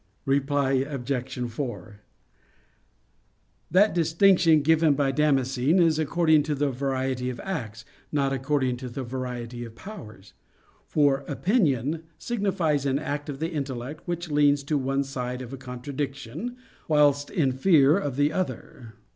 Reply Obj. 4: That distinction given by Damascene is according to the variety of acts, not according to the variety of powers. For "opinion" signifies an act of the intellect which leans to one side of a contradiction, whilst in fear of the other.